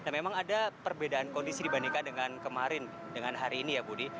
nah memang ada perbedaan kondisi dibandingkan dengan kemarin dengan hari ini ya budi